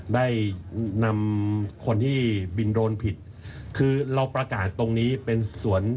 ได้นำคนที่บินโดรนผิดคือเราประกาศตรงนี้เป็นสวน